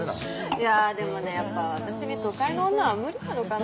いやでもねやっぱ私に都会の女は無理なのかな。